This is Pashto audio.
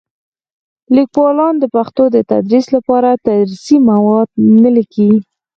لیکوالان د پښتو د تدریس لپاره درسي مواد نه لیکي.